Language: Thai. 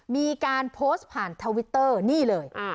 มีการโพสต์ผ่านทวิตเตอร์นี่เลย